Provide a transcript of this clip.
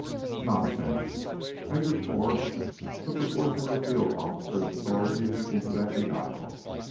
"Nonsense!" Major Forbes put the force of a field officer's authority into that denial.